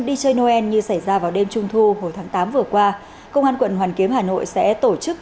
đi chơi noel như xảy ra vào đêm trung thu hồi tháng tám vừa qua công an quận hoàn kiếm hà nội sẽ tổ chức